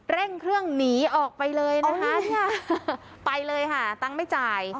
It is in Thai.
เร่งเครื่องหนีออกไปเลยนะคะไปเลยค่ะตังค์ไม่จ่าย